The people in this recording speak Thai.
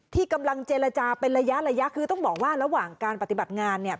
ที่กำลังเจรจาเป็นระยะระยะคือต้องบอกว่าระหว่างการปฏิบัติงานเนี่ย